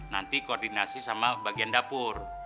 nanti koordinasi sama bagian dapur